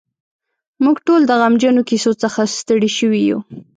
موږ ټول د غمجنو کیسو څخه ستړي شوي یو.